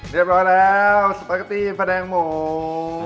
เรียบร้อยแล้วสปาเกตตี้พระแดงหมู